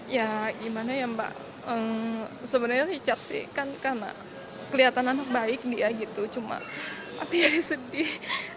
ya gimana ya mbak sebenarnya richard sih kan karena kelihatan anak baik nih ya gitu cuma tapi jadi sedih